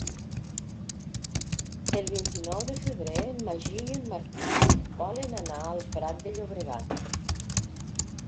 El vint-i-nou de febrer en Magí i en Martí volen anar al Prat de Llobregat.